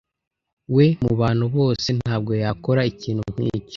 We, mubantu bose, ntabwo yakora ikintu nkicyo.